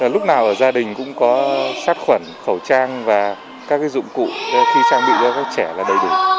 lúc nào ở gia đình cũng có sát khuẩn khẩu trang và các dụng cụ khi trang bị cho các trẻ là đầy đủ